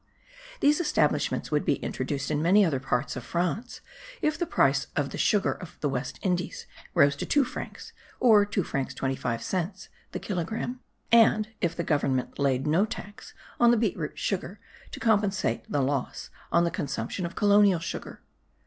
These establishments would be introduced in many other parts of France if the price of the sugar of the West Indies rose to 2 francs, or 2 francs 25 cents the kilogramme, and if the government laid no tax on the beetroot sugar, to compensate the loss on the consumption of colonial sugar.